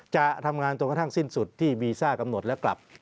จะทำงานจนกระทั่งสิ้นสุดที่วีซ่ากำหนดแล้วกลับ